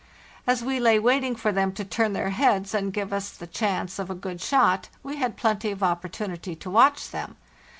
As we lay waiting for them to turn their heads and give us the chance of a good shot, we had plenty of opportunity to watch them.